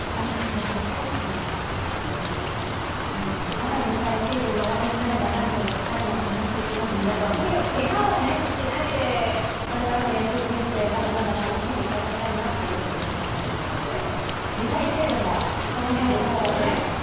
ただでさえシーズンの終わりになればなるほど疲れもたまってきますしあとは、とにかくけがをしないでこれからの野球人生、まだまだ楽しんでいただきたいなと皆さん思ってると思うので見たいけれどもその辺はもう、ね。